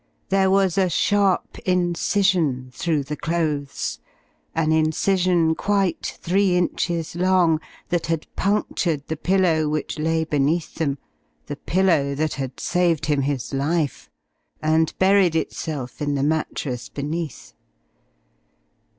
There was a sharp incision through the clothes, an incision quite three inches long, that had punctured the pillow which lay beneath them the pillow that had saved him his life and buried itself in the mattress beneath.